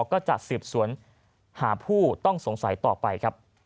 ก็จะสืบสวนหาผู้ต้องสงสัยต่อไปครับ